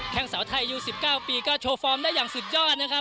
แค่งสาวไทยอยู่๑๙ปีก็โชว์ฟอร์มได้อย่างสุดยอดนะครับ